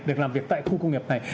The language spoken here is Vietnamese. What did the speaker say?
được làm việc tại khu công nghiệp này